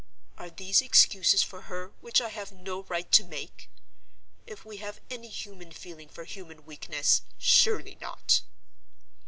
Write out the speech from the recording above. Are these excuses for her, which I have no right to make? If we have any human feeling for human weakness, surely not!